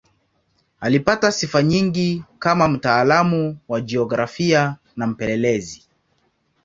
Alipata sifa nyingi kama mtaalamu wa jiografia na mpelelezi.